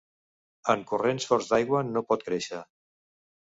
En corrents forts d'aigua no pot créixer.